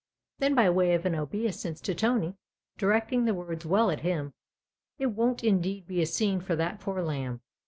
Then by way of an obeisance to Tony, directing the words well at him :" It won't indeed be a scene for that poor lamb